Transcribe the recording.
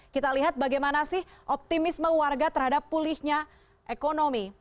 kita lihat bagaimana sih optimisme warga terhadap pulihnya ekonomi